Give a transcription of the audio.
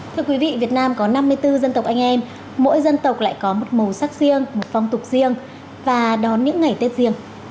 thưa quý vị việt nam có năm mươi bốn dân tộc anh em mỗi dân tộc lại có một màu sắc riêng một phong tục riêng và đón những ngày tết riêng